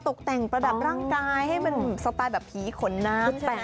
ตกแต่งประดับร่างกายให้มันสไตล์แบบผีขนน้ำ